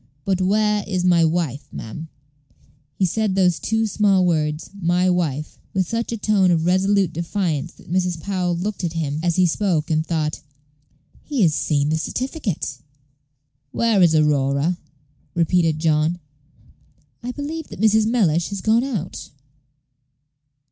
"But where is my wife, ma'am?" He said those two small words, "my wife," with such a tone of resolute defiance that Mrs. Powell looked at him as he spoke, and thought, "He has seen the certificate." "Where is Aurora?" repeated John. "I believe that Mrs. Mellish has gone out."